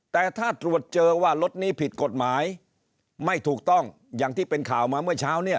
แต่ถ้าตรวจเจอว่ารถนี้ผิดกฎหมายไม่ถูกต้องอย่างที่เป็นข่าวมาเมื่อเช้าเนี่ย